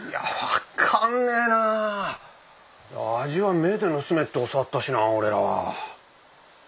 味は目で盗めって教わったしな俺らは。